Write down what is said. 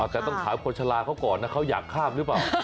แต่ต้องถามคนชะลาเขาก่อนนะเขาอยากข้ามหรือเปล่า